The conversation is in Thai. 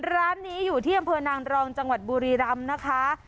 ร้านนี้อยู่ที่ถนรองจบุรีรำนะคะ